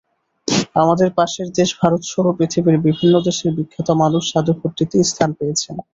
আমাদের পাশের দেশ ভারতসহ পৃথিবীর বিভিন্ন দেশের বিখ্যাত মানুষ জাদুঘরটিতে স্থান পেয়েছেন।